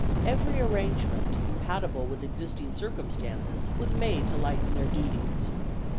Every arrangement compatible with existing circumstances was made to lighten their duties.